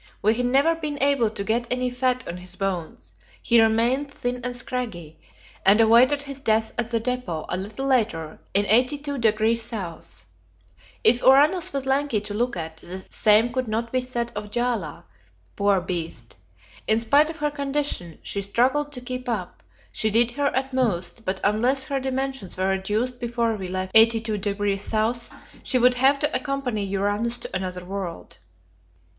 We had never been able to get any fat on his bones; he remained thin and scraggy, and awaited his death at the depot, a little later, in 82° S. If Uranus was lanky to look at, the same could not be said of Jaala, poor beast! In spite of her condition, she struggled to keep up; she did her utmost, but unless her dimensions were reduced before we left 82° S., she would have to accompany Uranus to another world.